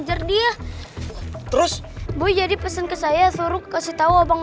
ada berita buruk nih yan